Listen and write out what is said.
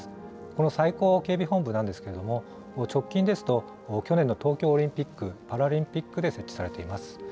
この最高警備本部なんですけれども、直近ですと、去年の東京オリンピック・パラリンピックで設置されています。